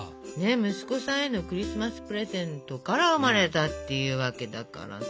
息子さんへのクリスマスプレゼントから生まれたっていうわけだからさ。